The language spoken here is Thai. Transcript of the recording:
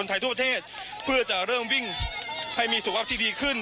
ไทยทั่วประเทศเพื่อจะเริ่มวิ่งให้มีสุขภาพที่ดีขึ้น